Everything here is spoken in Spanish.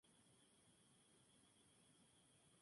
Su hábitat son las zonas áridas y semidesiertos de arena.